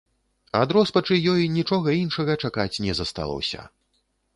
Ад роспачы ёй нічога іншага чакаць не засталося.